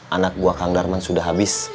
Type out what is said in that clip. anak buah kang darman sudah habis